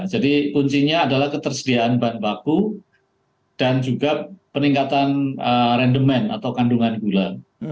jadi kuncinya adalah ketersediaan bahan baku dan juga peningkatan rendemen atau kandungan gula